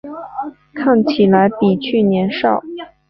看起来比去年少